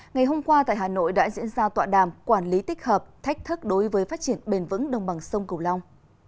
ngày hôm qua tại hà nội đã diễn ra tọa đàm quản lý tích hợp thách thức đối với phát triển bền vững đồng bằng sông cửu long